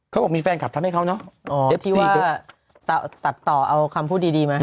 เขาบอกมีแฟนกลับทำให้เขาเนอะอ๋อที่ว่าตัดต่อเอาคำพูดดีดีมา